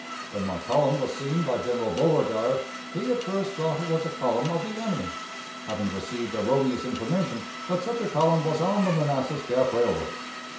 When my column was seen by General Beauregard, he at first thought it was a column of the enemy, having received erroneous information that such a column was on the Manassas Gap Railroad.